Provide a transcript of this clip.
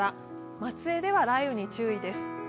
松江では雷雨に注意です。